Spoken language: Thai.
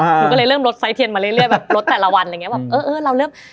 หนูก็เลยเริ่มลดไฟล์เทียนมาเรื่อยแบบลดแต่ละวันอะไรอย่างเงี้แบบเออเออเราเริ่ม